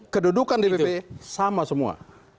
kedudukan dpp sama semua